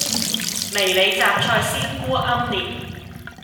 迷你什菜鮮菇奄列